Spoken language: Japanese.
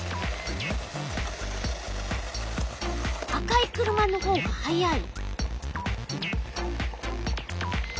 赤い車のほうが速い。